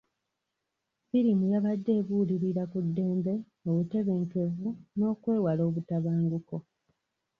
Firimu yabadde ebuulirira ku ddembe, obutebenkevu, n'okwewala obutabanguko.